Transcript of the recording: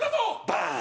バーン！